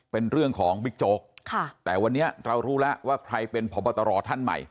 เป็นเรื่องของบิ๊กโจ๊กแต่วันนี้เรารู้แล้วว่าใครเป็นพบตรท่านใหม่